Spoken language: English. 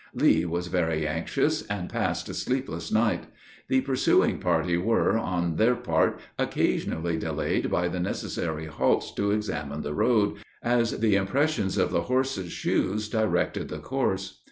Lee was very anxious, and passed a sleepless night. The pursuing party were, on their part, occasionally delayed by the necessary halts to examine the road, as the impressions of the horse's shoes directed the course.